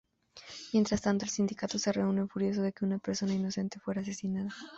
Mientras tanto, el Sindicato se reúne furioso de que una persona inocente fuera asesinada.